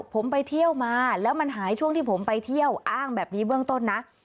ผมไปเที่ยวมาแล้วมันหายช่วงที่ผมไปเที่ยวอ้างแบบนี้เบื้องต้นนะ